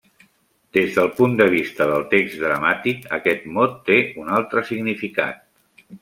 Des del punt de vista del text dramàtic aquest mot té un altre significat.